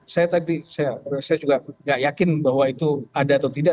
saya juga tidak yakin bahwa itu ada atau tidak